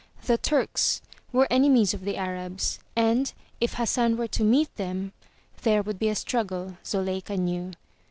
The Turks were enemies of the Arabs, and, if Hassan were to meet them there would be a struggle, Zuleika knew.